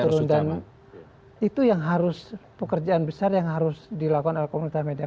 ada trust yang turun dan itu yang harus pekerjaan besar yang harus dilakukan oleh komunitas media